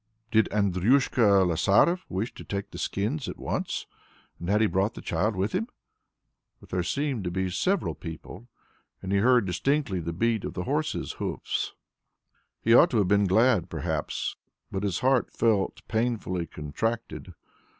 Did Andryushka Lasaref wish to take the skins at once, and had he brought the child with him? But there seemed to be several people, and he heard distinctly the beat of the horses' hoofs. He ought to have been glad perhaps, but his heart felt painfully contracted.